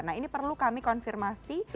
nah ini perlu kami konfirmasi